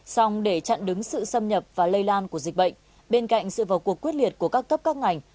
xong để chặn đứng sự xâm nhập và lây lan của dịch bệnh bên cạnh sự vào cuộc quyết liệt của các cấp các ngành